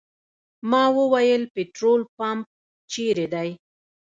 ما وویل پټرول پمپ چېرې دی.